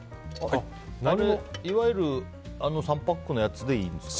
いわゆるあの３パックのやつでいいんですか？